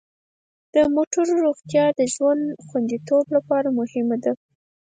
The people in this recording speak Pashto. د موټرو روغتیا د ژوند خوندیتوب لپاره مهمه ده.